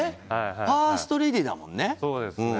ファーストレディーだもんね。